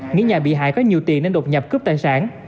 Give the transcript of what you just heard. nghĩ nhà bị hại có nhiều tiền nên đột nhập cướp tài sản